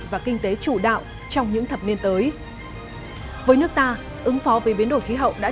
và kinh tế chủ đạo trong những thập niên tới với nước ta ứng phó với biến đổi khí hậu đã